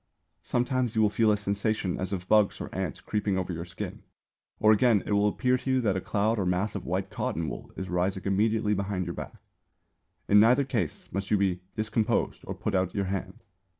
Sometimes you will feel a sensation as of bugs or ants creeping over your skin; or again, it will appear to you that a cloud or mass of white cotton wool is rising immediately behind your back. In neither case must you be discomposed or put out your hand.